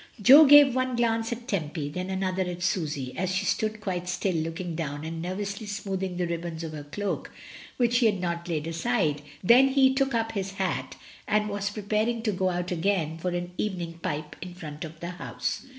Jo gave one glance at Tempy, then another at Susy, as she stood quite still looking down, and nervously smoothing the ribbons of her cloak which Mrs, Dymond. //.^ 114 ^^' DYMONB. she had not laid aside, then he took up his hat and was preparing to go out again for an evening pipe in front of the house.